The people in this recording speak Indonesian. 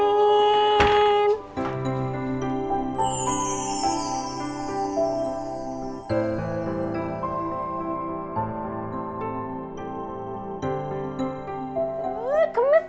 wah kemas kan mbak